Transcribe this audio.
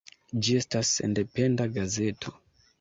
Ĝi estas sendependa gazeto.